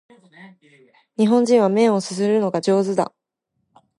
日本人は麺を啜るのが上手だ